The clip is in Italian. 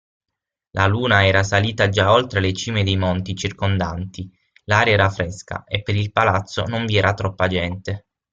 La Luna era salita già oltre le cime dei monti circondanti, l'aria era fresca, e per il palazzo non vi era troppa gente.